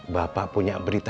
bapak punya berita